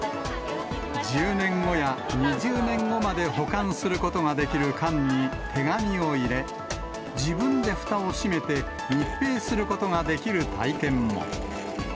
１０年後や２０年後まで保管することができる缶に手紙を入れ、自分でふたを閉めて密閉することができる体験も。